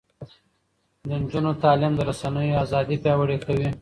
د نجونو تعلیم د رسنیو ازادي پیاوړې کوي.